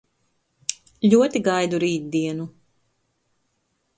Ļoti gaidu rītdienu.